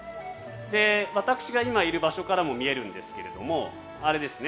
私が今いる場所からも見えるんですが、あれですね。